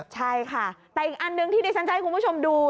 ใช่ค่ะแต่อีกอันหนึ่งที่ชั้นใจคุณผู้ชมดู